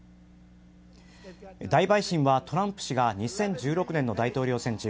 大陪審はトランプ氏が２０１６年の大統領選中